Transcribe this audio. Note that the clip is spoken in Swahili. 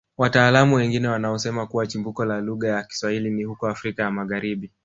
Wataalamu wengine wanaosema kuwa chimbuko la lugha ya Kiswahili ni huko Afrika ya Magharibi